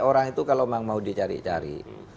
orang itu kalau memang mau dicari cari